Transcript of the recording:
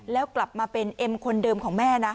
แล้วกลับมาเป็นเอ็มคนเดิมของแม่นะ